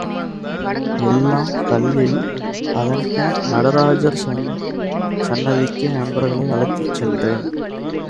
எல்லாம் கல்லில், அதன் பின் நடராஜர் சந்நிதிக்கே நண்பர்களை அழைத்துச் சென்றேன்.